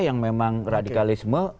yang memang radikalisme